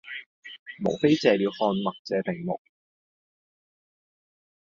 無非借了看脈這名目，